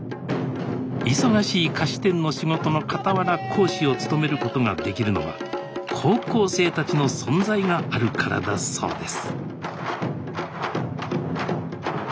忙しい菓子店の仕事のかたわら講師を務めることができるのは高校生たちの存在があるからだそうです